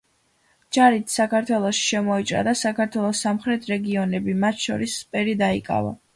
ჯარით საქართველოში შემოიჭრა და საქართველოს სამხრეთ რეგიონები, მათ შორის სპერი დაიკავა.